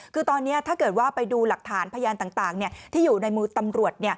คือตอนนี้ถ้าเกิดว่าไปดูหลักฐานพยานต่างที่อยู่ในมือตำรวจ